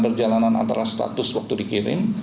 perjalanan antara status waktu dikirim